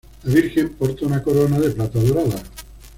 La Virgen porta una corona de plata dorada.